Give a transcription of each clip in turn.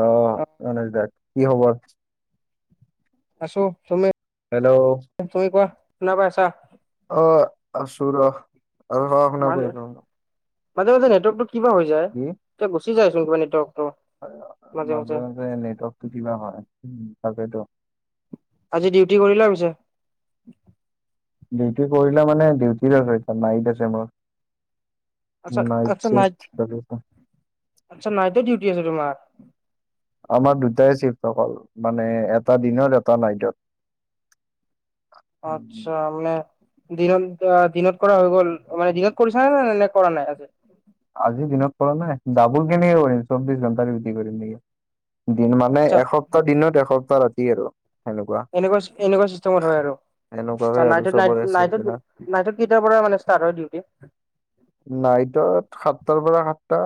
অ' অনুজ দা কি খবৰ? আছো হেল্ল'। তুমি-তুমি কোৱা শুনা পাই আছা। অ আছো ৰহ আৰু [unintelligible] শুনা মাজে-মাজে নেটৱৰ্কটো কিবা হৈ যায় এতিয়া গুচি যায় চোন কিবা নেটৱৰ্ক। মাজে-মাজে নেটৱৰ্কটো কিবা হয় তাকেতো। আজি ডিউটি কৰিলা পিছে। ডিউটি কৰিলা মানে ডিউটি আছে এ নাইট আছে মোৰ আচ্ছা আচ্ছা নাইট [unintelligible] আচ্ছা, নাইটত ডিউটি আছে তোমাৰ। আমাৰ দুটাই চীফ মানে এটা দিনত এটা নাইটত। উম, আচ্ছা, মানে দিনত দিনত কৰা হৈ গ'ল মানে দিনত কৰিছা নে নাই নে কৰা নাই আজি। চৌববিশ ঘণ্টা ডিউটি কৰিম নেকি দিন মানে আচ্ছা এসপ্তাহ দিনত এসপ্তাহ ৰাতি আৰু। সেনেকুৱা। এনেকুৱা-এনেকুৱা চিষ্টেমত হয় এনেকুৱাকে আৰু। আৰু নাইটত চবৰে ন চিফ্ট বিলাক। নাইটত নাইটত কেইটাৰ পৰা মানে ষ্টাৰট হয় ডউটি। নাইটত। সাতটাৰ পৰা সাতটা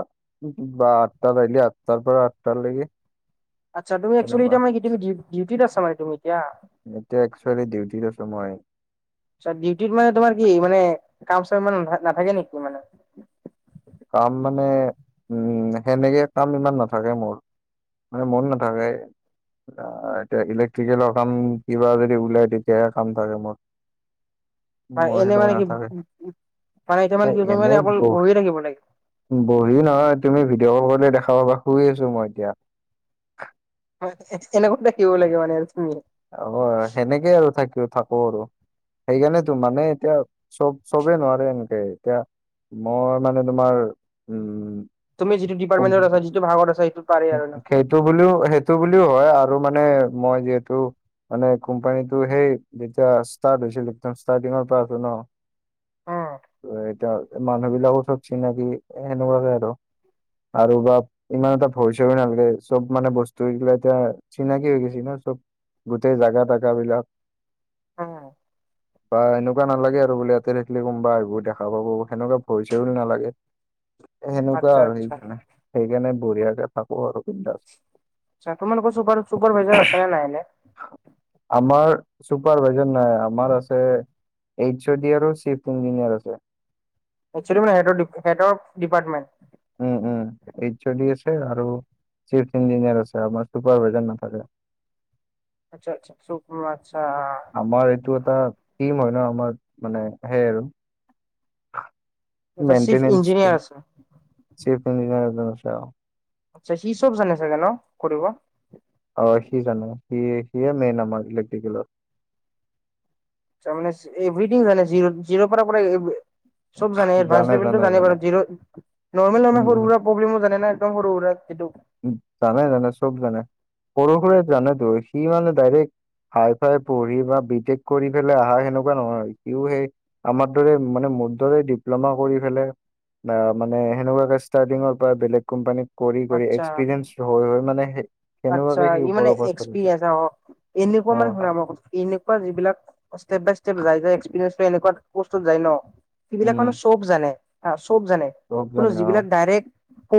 বা আঠটা আঠটাৰ পৰা আঠটা লৈকে। আচ্ছা, তুমি এক্সচুএলি এটা কি ডিউটি আছা মানে তুমি। য়াহ এতিয়া একচুৱেলি ডিউটিত আছো মই ডিউট মানে তোমাৰ কি মানে কাম-চাম ইমান নাথাকে নেকি মানে? কাম মানে উম সেনেকে কাম ইমান নাথাকে মোৰ মানে মোৰ নাথাকে। এতিয়া ইলেক্ট্ৰিকেলৰ কাম কিবা যদি ওলাই তেতিয়াহে কাম থাকে মোৰ মই এনে সেই মানে কি নাথাকে মানে এতিয়া মানে কি মানে এনে অকল বহি। বহিয়ে থাকিব লাগে। বহি নহয় তুমি ভিডিঅ' কল কৰিলে দেখা। অ বা শুই আছো মই এতিয়া। হয় এনেকুৱা দেখিব লাগে মানে। তুমি। অ' সেনেকে আৰু থাকি থাকো আৰু। সেইকাৰণেতো মানে এতিয়া চব চবে নোৱাৰে এনেকে এতিয়া। মই মানে তোমাৰ উম, তুমি যিটো ডিপাৰটমেটৰ আছা যিটো ভাগত আছে। সেইটো বুলিও সেইটো বুলিও হয় আৰু মানে মই যিহেতু। মানে কোম্পানীটো সেই যেতিয়া ষ্টাৰ্ট হৈছিল একদম ষ্টাৰ্টিঙৰ পৰা আছো ন। উম এতিয়া মানুহ বিলাকো চব চিনাকি সেনেকুৱাকে আৰু। আৰু বা ইমান এটা। ভৰি চৰি নালাগে চব মানে বস্তু হৈিলা এতিয়া চিনাকি হৈ গৈছেি ন চব। গোটেই জাগা তটগা বিলাক। উম বা এনেকুৱা নালাগে আৰু বোলে ইয়াতে থাকিলে কম। বা এইবোৰ দেখা পাব সেনেকুৱা ভৰি চও নালাগে। সেনেকুৱা আচ্ছা আৰু আচ্ছা। সেইকাৰণে সেইকাৰণে বঢ়িয়াকে থাকো অবি দাস। তোমাৰ কপপৰভাইজাৰ আছে নে নাই নাই আমাৰ চুপাৰ ভেজ নাই আমাৰ আছে এইচছ ডাৰো চিফ্ট ইঞ্জিনিয়াৰ আছে একচেলি মান হেড অফ ডিপাৰটমেণ্ট উম উম এই চলি আছে আৰু চিফ ইঞ্জিনিয়াৰ আছে আপোনাৰ চুপাৰভাইজাৰ নাথাকে আচ্ছা আচ্ছা শুক আমাৰ এইটো এটা থিম হয় ন আমাৰ মানে সেই আৰু আচ্ছা চিফ মেইনটে ইঞ্জিনিয়াৰ আছে। চিফ ইঞ্জিনিয়াৰ আচ্ছা সি চব জানে চাগে ন কৰিব এ মেই ন আমাৰ ইলেকট্ৰিকল মানে এই বিডিং হয়ে জিৰ জিৰ পৰা পৰা চব জানে এডভান লেভেলটো জানে বাৰ জিৰ' নৰ্মে উম, সৰু সুৰা প্ৰব্লেমো জানে না একদম সৰু সুৰা যিটো জানাই জানে চব জানে সৰু সুৰা জানেতো সি মানে ডাইৰেক্ট হাই ফাই পঢ়ি বা বি টেক কৰি পেলাই আহা সেনেকুৱা নহয় সিও সেই আমাৰ দৰে মানে প্া মানে বেলেগ কমানীত কৰি কৰি আচ্ছা এক্সপিৰিয়েন্ঞ্চ হৈ হৈ মানে আচ্ছা সেনেকুৱাকে সি ই মানে ওপৰৰ অৱস্থা পাইছে এক্সপিৰিয়েঞ্চ আৰু এনেকুৱা অ মানে শুন এনেকুৱা যিবিলাক াই্ে য ন উম সবাক জান জান চব জানে অ যিলাক প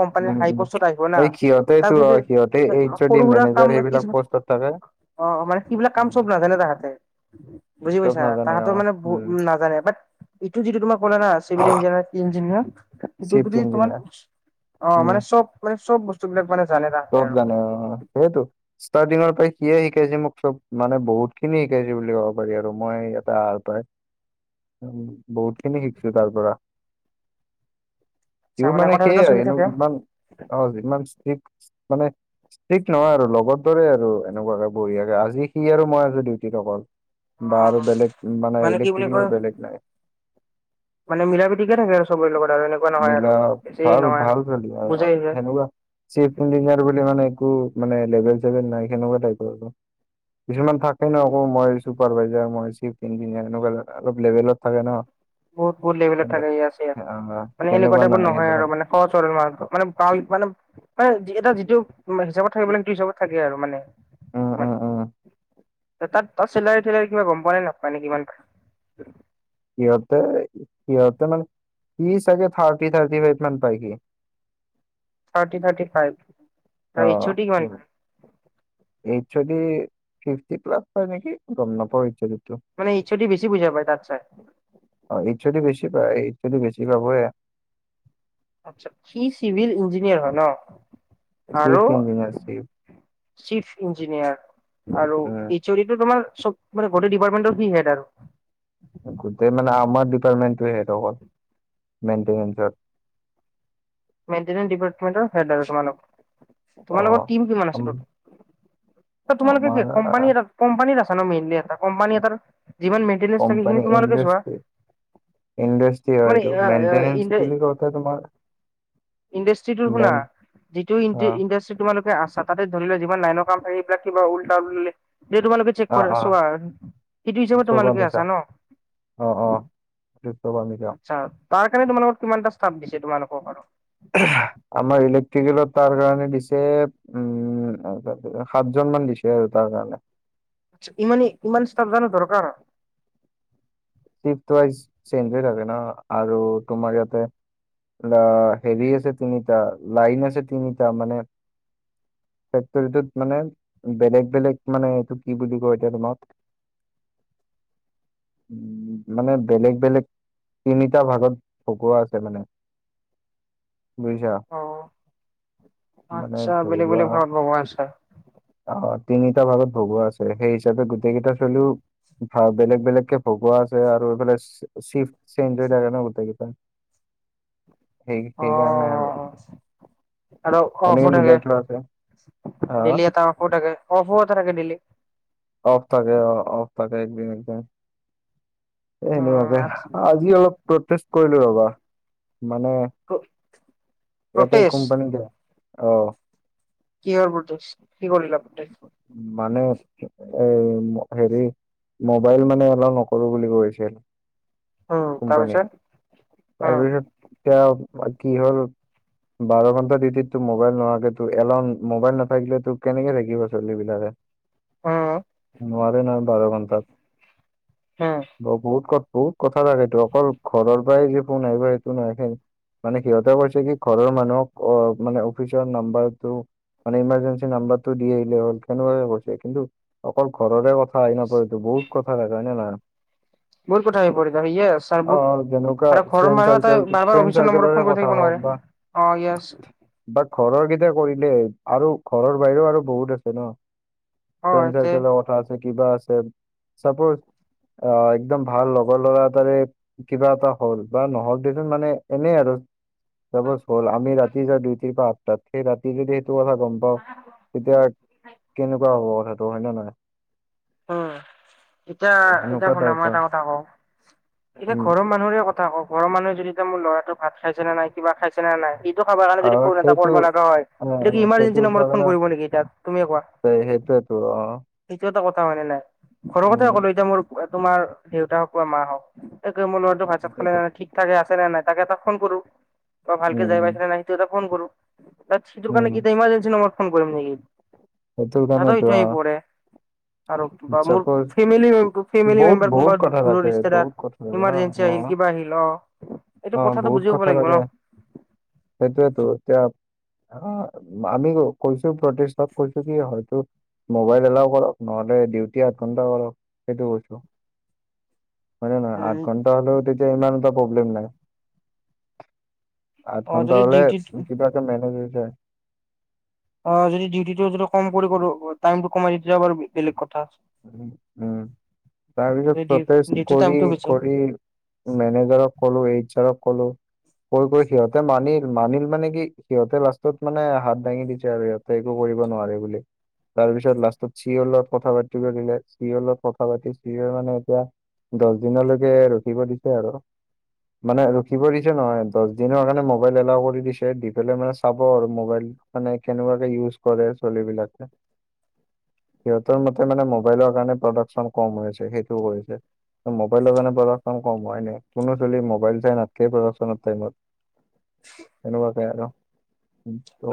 কোম্পানীৰ উম হাই উম কষ্টত আহিব না এই সিহঁতেতো তাৰপছ অ সিহঁতে এইচ অ' ডি কৰু সুৰা মেনেজাৰ কাম কিছ সেইবিলাক পষ্টত থাকে অ অ মানে সবিলাক কাম উম, চব নাজানে তাহাঁতে বুজি চব পাইছা নাজানে অ তাহাঁতৰ মানে বু উম উ নাজানে বাট ইটো যিটো তোমাক কলে ন চিভিল ইঞ্জিনিয়াৰ সটো চিফ যদি তোমাৰ ইঞ্জিনিয়াৰ অ মানে চব মানে চব বস্তু বিলাক মানে জানে তাহাঁতে তব আৰু জানে অ সেইয়েতটো ষ্টাৰ্টিঙৰ সিয়ে শিকাইছে মোক চব মানে বহুত খিনি শিকাইছে বুলি ক'ব পাৰি আৰু মই ইটা হাৰ পায় উ বহুত খিনি শিকছো তাৰ পৰা চা সও মানে কথা চথা সেইয়াই চলি এনে থাকে ইমান অ ইমান ষ্ট্ৰ মানে ষ্ট্ৰিক্ট নহয় আৰু লগৰ দৰে আৰু এনেকুৱাকে বঢ়িয়াকে আজি সি আৰু মই আজ ডিউটিত অকল বা আৰু বেলেগ মানে কি বুলি ইলেক্ট্ৰিকেলৰ কয় বেলেগ নাই মানে মিলা প্ৰীতিকে থাকে আৰু চবৰে লগত আৰু এনেকুৱা নহয় আৰু মিলা বেছি ভাল নহয় আৰু ভাল বুজাই যায় সেনেকুৱা চিফ ইঞ্জিনিয়াৰ বুলি মানে এক মে লেভেল চেভেল নাই সেনেকুৱা টাইপ আৰু কিছুমান থাকে ন উম আকৌ মই চুপাৰভাইজাৰ মই চিফ ইঞ্জিনিয়াৰ এনেকুৱা অলপ লেভেলত থাকে ন বহুত বহুত লেভেল থাকে আছোৰ আহ মানে এনেকুৱা সেনেকুৱা টাইপৰ নাই নহয় সেনেকুৱা আৰু নাই। মানে খৰচ হয় ম মানে মানে মানে এটা যিটো হিচাপত থাকিব ল কিন্তু হিচাপত থাকে আৰু মানে উম মে উম উম তাত তাত চেলাৰী েলাৰী কিবা গম পোৱা নাই নাপ নে কিমান সিহঁততে সিহঁততে মানে কি চাগে থাৰ্টি থাৰ্টি ফাইট মান পাই কিি থাৰ্টি থাৰ্টি ফাইভ ছুটি কিমান কৰে এইদি ফিফ প্লাছ হয় নেকি গম নাপ এইদি মানে ইচ্ছুট বেছি বুজা পায় তাৰাত চাই বেি প এই যদি বেছি ভাব আচ্ছা কি চিভিল ইঞ্জনিয়ৰ হয় না safety engineer safety chief engineer আৰু উম এই চৰিটো তোমাৰ চব মে গোটেই ডিপাৰ্টমেটৰ কি হেড আৰু গোটেই মানে আমাৰ ডিপাৰ্টমেন্টে সেইটো হ'ল মেইনটেনেন্ঞ্চত মেইটেনেন্ ডিপাৰটমেণ্টৰ হেড আৰু তমানোক অ তোমালোকৰ টিম কিমান আছে আম- ত তোমালোকে আমাৰ কি কম্পানী কো্পানীখ এ যি ম থাকে স তোমালে চোৱা ইণ্ডাষ্টি হয় মানে এইটো মেইনটেনেন্স বুলি কথা তোমাৰ ইণ্ডাষ্ট্ৰিটোৰ শুনা মেইন যিটো অ', ইণ্ডাষ্ট্ৰি তোমোক আচছা তাতে ধৰি লোৱা যিমান লাইনৰ কামাক সেইবাকিবা উলটা উললে যে তোমালোকে চেক অ', কৰা অ', চবা সেইটো হিচাপে চব তোমালোকে আমি আছা চাওঁ ন অ অছ বক আচ্ছা তাৰ কাৰণে তোমালোকৰ কিমানটা স্থাপ দিছে তোমালোকক আৰু আমাৰ ইলেক্ট্ৰিকেলত তাৰ কাৰণে দিছে উম সাতজন মান দিছে তাৰ কাৰণে ইমানেই ইমান ষ্টফ জানা দৰকাৰ চেঞ্জ হৈ থাকে ন আৰু তোমাৰ ইয়াতে বা হেৰি আছে তিনিটা লাইন আছে তিনিটা মানে ফেক্টৰীটোত মানে বেলেগ বেলেগ মানে এইটো কি বুলি কয় এতিয়া তোমাক উ মানে বেলেগ বেলেগ তিনিটা ভাগত ভকুৱা আছে মানে বুজিছা অ মানে আচ্ছা ধৰি বেলেগ বেলেগ ভালত বাব আছা অ তিনিটা ভাগত ভগোৱা আছে সেই হিচাপে গোটেই কেইটা চলও ভা বেলেগ বেলেগকে ভগুৱা আছে আৰু এইফালেফ চে থাকে ন গোটেই কেইটাাই সেই সেইকাৰণে আৰু হল অ এনেকে ফাকে মিলাই থোৱা আছে আহ ডেইি আটা ফুাকে অফ বত ৰাক দিিলে অফ থাকে অ অফ থাকে একদিন একদিন উম সেনেুৱাকে আজি অলপ প্ৰটেষ্ট কৰিলো ৰবা মানে ইয়াতে প্ৰটেষ্ট কোম্পানী দিয় অ কি হবতছ মানে এই হেৰি মোবাইল মানে অলপ নকৰো বুলি কৈছিল উম কোম্পানীত তাৰপিছত উম তাৰপিছত এতিয়া কি হ'ল বাৰ ঘন্টা ডিটিত তো মোবাইল নহাকে ত এলাৰন মোবাইল নাথাকিলে তো কেনেকে থাকিল িব চলিিবিলাৰেে অ নোৱাৰে নহ বাৰ ঘন্টাত উম ব বহুত কত বহুত কথা লাগেতটো অকল ঘৰৰ পৰাই যে ফোন আহিব সেইটো নহখে মানে সিহঁতে কৈছে কি ঘৰৰ মানুহক অ মানে অফিচৰ নাম্বাৰটো মান ইমাৰজেঞ্চি নম্বৰ টো দি আহিলে হ'ল কেনেুৱে কৈছে কিন্তু অকল ঘৰৰে কথা আহ নাপৰেতো বহুত ক ভাল হয় নে নহয় বহুত কথা হৈ পৰি ত স ছাৰ অ বহুত যেনেকুৱা আৰু ঘৰৰ ফ্ৰেণ্ড মানুহে ত চাৰ্কেল বাৰ বাৰ ফ্ৰেণ্ড অফিচৰ নম্বৰত চাৰ্কেলৰে ফোন কৰি কথা থাকিব হওক নোৱাৰে বা অ াস বা ঘৰৰ কেইটা কৰিলে আৰু ঘৰৰ বাহিৰেও আৰু বহুত আছে ন অ প্ৰেঞ্চাৰ এতে কে ঠা আছে কিবা আছে চাপজ অ একদম ভাল লগৰ ল'ৰা এটাৰে কিবা এটা হ'ল বা নহক দেোন মানে এনেই আৰু তছ হল আি ৰাতি যাওঁ দুইটতি পৰা আঠটাত সেই ৰাতি যদি সটো কথা গম পাও তেতিয়া কেনেকুৱা হব কথাটো হয় নে নহয় উম এতিয়া এতিয়া এনেকুৱা কলে মই টাইপৰ এটা কথা কওঁ এতিয়া উম ঘৰৰ মানুহৰে কথা কওঁ ঘৰৰ মানুহে যদি এয়া মোৰ ল'ৰাটো ভাত খাইছে নে নাই কিবা খাইছে ন নাই। খাব কাৰণে যদি আৰু ফোন এটা সেইটো কৰিব লগা হয় অ এইটো কি অ সেইটো ইমাৰ্জেঞ্চি নম্বৰত কাৰণে ফোন কৰিব নেকি এতিয়া তুমিয়ে কোৱা। [unintelligible] অ'। সেইটো এটা কথা মানে নাই ঘৰৰ কথাই উম ক'লো এতিয়া মোৰ তোমাৰ দেউতা হওক বা মা হওক। মোৰ ল'ৰাটো ভাত ছাত খালে সেইটোৱেতো নাই, ঠিক ঠাকে আছে নে নাই তাকে এটা ফোন কৰো। ত' ভালকে উম যায় উম পাইছে নে নাই, সেটো এটা ফোন কৰোঁ ত' সিটোৰ কাৰনে কি উম এতিয়া ইমাৰজেঞ্চি নম্বৰত ফোন কৰিম নেকি। সেইটোৰ সিঁহতৰ কাৰণেতো সেইটো অ আহি পৰে। আৰু বা মোৰ চাপ'জ ফেমিলি ফেমিলি বহুত মেম্বাৰ বহুত কোনবা কথা দূৰৰ থাকে ৰিষ্টেদাৰ বহুত কথা থাকে ন ইমাৰ্জেঞ্চি অ আহিল। কিবা আহিল অ' অ এইটো কথাটো বহুত বুজি কথা ল'ব লাগিব থাকে ন। সেইটোয়েতো এতিয়া অ', আমি কৈছো প্ৰতিষ্টক কৈছো কি হয়তো মোবাইল এলাও কৰক নহ ডিউটি আৰু কোনটা বাৰ সেইটো কৈছো। হয় নহয় আঠ ঘন্টা হ'লেও তেতিয়া ইমান এটা প্ৰব্লেম নাই। আঠ অ ঘন্টা যদি হ'লে ডিউটিত কিবাকে মেনেজ হৈ যায়। অ', যদি ডিউটিটো যদি কম কৰি কৰো টাইমটো কমাই দিও তেতিয়া অলপ বেলেগ কথা। উম- উম। তাৰপিছত প্ৰটেষ্ট ডিউটি কৰি- টাইমটো বেছি কৰি মেনেজাৰক ক'লো এইচাৰক ক'লো। [inaudible] কৈ-কৈ সিহঁতে মানিল-মানিল মানে কি সিহঁতে লাষ্টত মানে হাত দাঙি দিছে আৰু সিহঁতে একো কৰিব তাৰপিছত লাষ্টত চি অ' ৰ লগত কথা চি অ লগত কথা পাতি চি অ মানে এতিয়া দছ দিনলৈকে ৰখিব দিছে আৰু। মানে ৰখিব দিছে নহয় দছ দিনৰ কাৰণে মোবাইল এলাও কৰি দিছে দি পেলাই মানে চাব আৰু মোবাইল। মানে কেনেকুৱাকে ইউজ কৰে চলিবলাকে। [inaudible] সিহঁতৰ মতে মানে মোবাইলৰ কাৰণে প্ৰডাকচন কম হৈছে সেইটো কৈছে। মোবাইলৰ কাৰনে প্ৰডাকশচন কম হয় এনে কোনো চলি মোবাইল চাই নাথাকে প্ৰডাকশনৰ টাইমত। এনেকুৱাকে আৰু।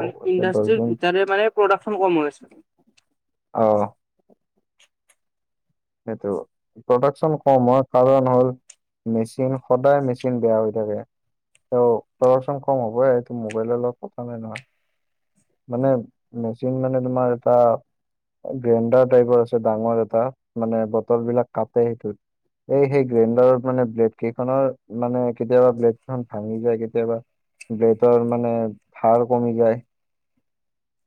মানে এতিয়া দহ ইণ্ডাষ্ট্ৰিৰ দিন ভিতৰে মানে প্ৰডাকচন কম হৈছে। অ সেইটো প্ৰডাকচন কম হোৱা কাৰণ হ'ল। মেচিন সদায় মেচিন বেয়া হৈ থাকে। অ', প্ৰডাকচন কম হ'ব এইটো মোবাইলৰ লগ কথা নাই নহয়। মানে মেচিন মানে তোমাৰ এটা গ্ৰেণ্ডাৰ টাইপৰ আছে ডাঙৰ এটা মানে বটল বিলাক কাটে সেইটোত। এই সেই গ্ৰাইণ্ডাৰত মানে ব্লেড কেইখনৰ মানে কেতিয়াবা ব্লেড কেইখন ভাঙি যায় কেতিয়াবা। বেতৰ মানে ভাৰ কমি যায়।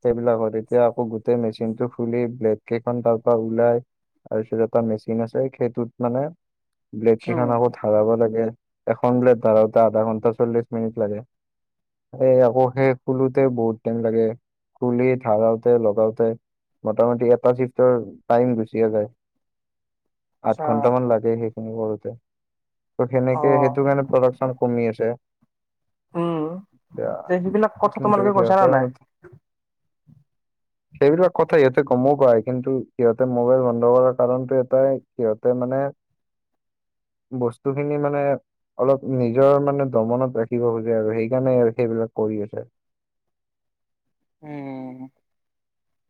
সেইবিলাকত এতিয়া আকৌ গোটেই মেচিনটো খুলি ব্লেড কেইখন তাৰ পৰা ওলায়। তাৰপিছত এটা মেচিন আছে সেইটোত মানে ব্লেড উম কেইখন আকৌ ঢালাব লাগে। এখন ব্লেড ধৰাওঁতে আধা ঘণ্টা চল্লিশ মিনিট লাগে। এই আকৌ সেই খুলোতে বহুত টাইম লাগে খুলি ধাৰাওতে লগাওতে। মোটামুটি এটা চিফটৰ টাইম গুচিয়ে যায়। আঠ আচ্ছা ঘন্টামান লাগে সেইখিনি কৰোতে। ত' অ সেনেকে সেইটো কাৰণে প্ৰডাকচন কমি আছে। উম এতিয়া তে সেইবিলাক কথা কিন্তু তোমালোকে কৈছা সিহতে নে নাই সেইবিলাক কথা ইহঁতে গমও পায় কিন্তু সিহঁতে মোবাইল বন্ধ কৰা কাৰণটো এটাই সিহঁতে মানে [inaudible] বস্তু খিনি মানে অলপ নিজৰ মানে দমনত ৰাখিব খোজে আৰু সেইকাৰণে সেইবিলাক কৰি আছে। উম।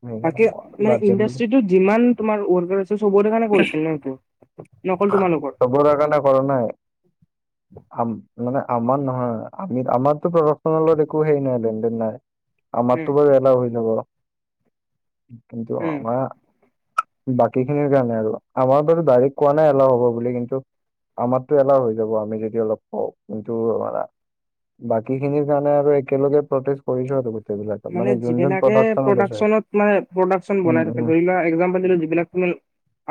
সেইকাৰণে তাকে মই বাদ মানে দিম বুলি ইণ্ডাষ্ট্ৰিটোৰ যিমান তোমাৰ ৱৰ্কাৰ আছে কৰিছিল ন নকল তোমালোকৰ চবৰে কাৰণে কৰা নাই আ মানে আমাৰ নহয় আমি আমাৰতো প্ৰডাকশচনেলত একো হেইৰি নাই লেনদেন নাই উম আমাৰতো বাৰু এনেও হৈ যাব কিন্তু উম আমাৰ বাকী খিনিৰ কাৰণে আৰু আমাৰ বাৰু ডাইৰেক্ট কোৱা নাই অলপ হ'ব বুলি কিন্তু আমাৰতটো এলাও হৈ যাব আমি যদি অলপ কওঁ কিনটো বাকী খিনিৰ কাৰণে আৰু একেলগে প্ৰটেষ্ট কৰিছো আৰু গোটেই বিলাকত মানে যোন যোন যিবিলাকে প্ৰডাকশ্যনত আছে প্ৰডাকশ্যনত মানে প্ৰডাক্যন উম বনাই থাকে উম ধৰি লোৱা একজাম্পল দিলো যিলাকমি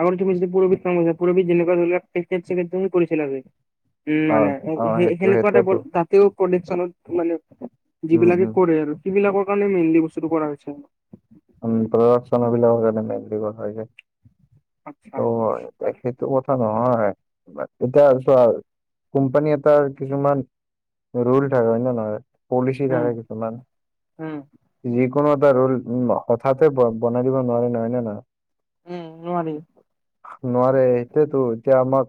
আগৰ তুমি যদি পুৰবীত কৰিছিলা পুৰবীত কৰিছিল আজি উম অ মানে অ সেইটো সেনেকুৱা এটা সেইটোৱেতো জাতীয় প্ৰডিকনত মানে উম যিবিলাকে উম কৰে আৰু সেইবিলাকৰ কাৰণে মেইনলি বস্তুটো কৰা হৈছে আৰু উ প্ৰদৰ্শন বিলাকৰ কাম বুলি কোৱা হয় যে আচ্ছা অ সেইটো কথা ন নহয় এতিয়া চোৱা কোম্পানী এটাৰ কিছুমান ৰুল থাক নে পলিচি উম থাকে কিছুমান উম যিকোনো এটা ৰোল ন হঠাতে বনাই দিব নোৱি নহ ন নহয় উম নোৱাৱাৰি নোৱাৰে সটোয়তো এতিয়া আমাক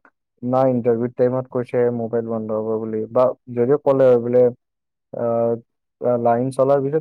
নাই ইন্টাৰভিউ টাইমত কৈছে মোবাইল বন্ধ হ'ব বুলি বা যদিও ক'লে বোলে অ লাইন চলাৰ ভ